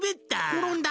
ころんだ。